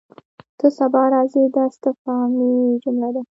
ته سبا راځې؟ دا استفهامي جمله ده.